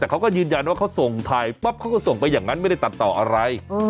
แต่เขาก็ยืนยันว่าเขาส่งถ่ายปั๊บเขาก็ส่งไปอย่างนั้นไม่ได้ตัดต่ออะไร